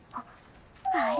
あれ？